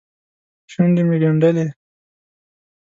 شونډې مې ګنډلې.